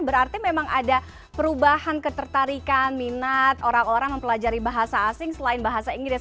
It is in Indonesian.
berarti memang ada perubahan ketertarikan minat orang orang mempelajari bahasa asing selain bahasa inggris